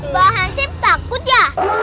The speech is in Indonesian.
bang hansip takut ya